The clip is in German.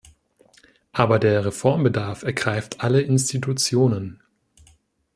Aber der Reformbedarf ergreift alle Institutionen.